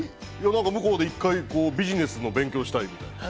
向こうで一回ビジネスの勉強をしたいって。